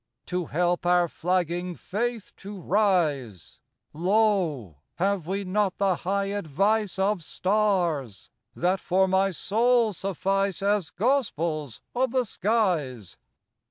To help our flagging faith to rise, Lo! have we not the high advice Of stars, that for my soul suffice As gospels of the skies?